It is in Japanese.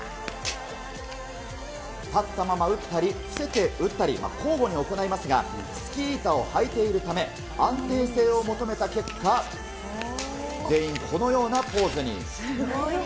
立ったまま撃ったり、伏せて撃ったり、交互に行いますが、スキー板を履いているため、安定性を求めた結果、全員このようなポーズに。